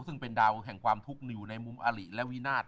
ซึ่งเป็นดาวแห่งความทุกข์อยู่ในมุมอลิและวินาท